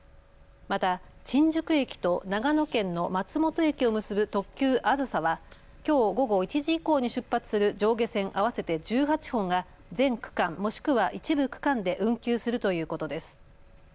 また新宿駅と長野県の松本駅を結ぶ特急あずさは、きょう午後１時以降に出発する上下線合わせて１８本が全区間もしくは一部区間で運休するということです。